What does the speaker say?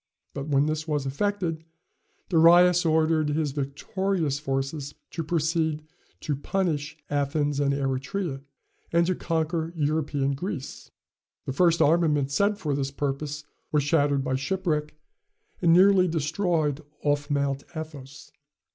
But when this was effected, Darius ordered his victorious forces to proceed to punish Athens and Eretria, and to conquer European Greece, The first armament sent for this purpose was shattered by shipwreck, and nearly destroyed off Mount Athos.